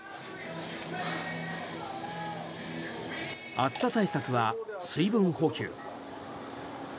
暑さ対策は水分補給。